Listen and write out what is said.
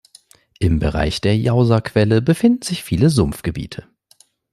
Im Bereich der Jausa-Quelle befinden sich viele Sumpfgebiete.